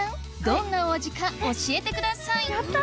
どんなお味か教えてくださいやった！